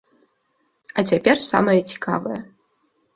А цяпер самае цікавае.